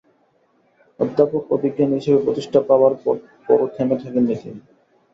অধ্যাপক ও বিজ্ঞানী হিসেবে প্রতিষ্ঠা পাবার পরও থেমে থাকেননি তিনি।